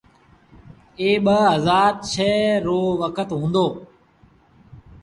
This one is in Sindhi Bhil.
ايٚ ٻآ هزآر ڇه رو وکت هُݩدو۔